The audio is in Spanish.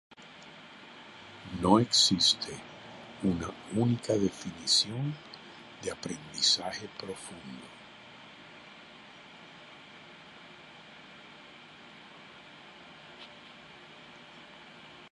No existe una única definición de aprendizaje profundo.